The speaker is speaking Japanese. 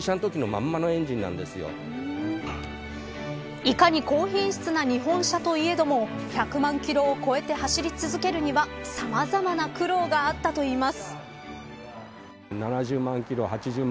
いかに高品質な日本車といえども１００万キロを超えて走り続けるにはさまざまな苦労があったといいます。